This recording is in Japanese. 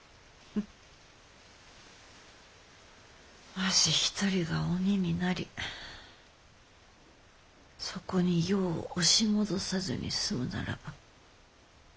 わし一人が鬼になりそこに世を押し戻さずに済むならば。